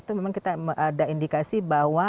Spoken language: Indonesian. itu memang kita ada indikasi bahwa